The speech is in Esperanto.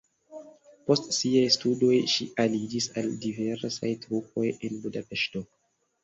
Post siaj studoj ŝi aliĝis al diversaj trupoj en Budapeŝto.